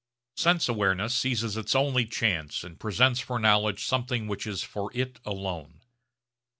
Sense awareness seizes its only chance and presents for knowledge something which is for it alone.